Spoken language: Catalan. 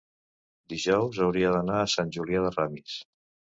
dijous hauria d'anar a Sant Julià de Ramis.